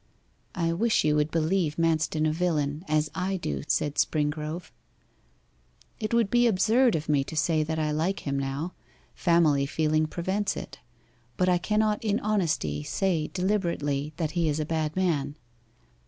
'I wish you would believe Manston a villain, as I do,' said Springrove. 'It would be absurd of me to say that I like him now family feeling prevents it, but I cannot in honesty say deliberately that he is a bad man.